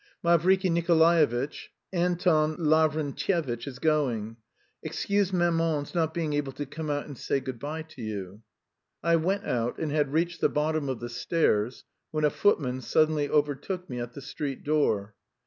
Mavriky Nikolaevitch, Anton Lavrentyevitch is going. Excuse maman's not being able to come out and say good bye to you...." I went out and had reached the bottom of the stairs when a footman suddenly overtook me at the street door.